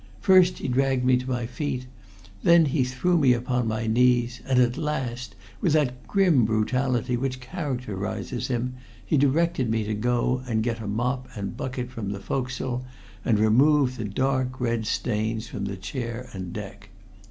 First he dragged me to my feet, then he threw me upon my knees, and at last, with that grim brutality which characterizes him, he directed me to go and get a mop and bucket from the forecastle and remove the dark red stains from the chair and deck.